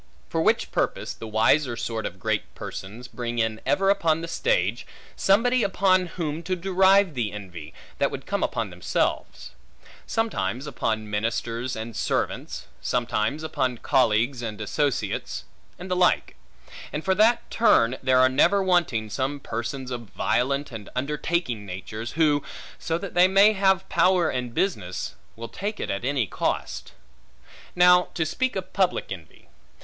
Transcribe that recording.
For which purpose, the wiser sort of great persons, bring in ever upon the stage somebody upon whom to derive the envy, that would come upon themselves; sometimes upon ministers and servants; sometimes upon colleagues and associates; and the like; and for that turn there are never wanting, some persons of violent and undertaking natures, who, so they may have power and business, will take it at any cost. Now, to speak of public envy.